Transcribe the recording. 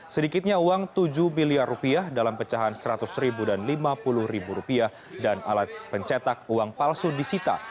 sedikitnya uang tujuh miliar rupiah dalam pecahan seratus ribu dan lima puluh ribu rupiah dan alat pencetak uang palsu disita